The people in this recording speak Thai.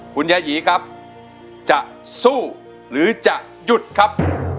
คุณยายีครับจะสู้หรือจะหยุดครับ